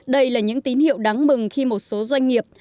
đây là những tín hiệu đáng mừng khi một số doanh nghiệp